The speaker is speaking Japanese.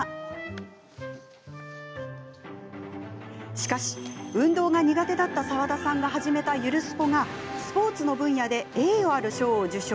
しかし運動が苦手だった澤田さんが始めた、ゆるスポがスポーツの分野で栄誉ある賞を受賞。